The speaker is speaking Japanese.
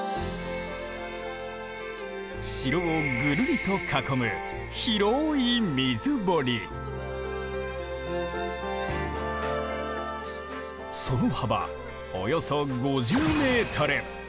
城をぐるりと囲む広いその幅およそ５０ｍ！